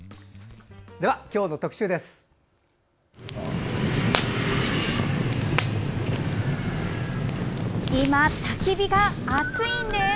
では、今日の特集です。